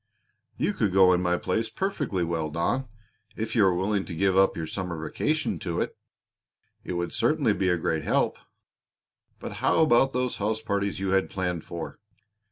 "You could go in my place perfectly well, Don, if you are willing to give up your summer vacation to it. It would certainly be a great help. But how about those house parties you had planned for?"